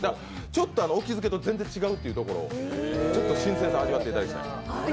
ちょっと沖漬けと全然違うというところを新鮮さを味わってもらいたい。